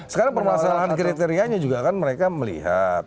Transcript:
sekarang permasalahan kriterianya juga kan mereka melihat